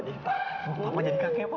jadi pak mau papa jadi kakek pak